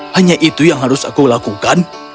hanya itu yang harus aku lakukan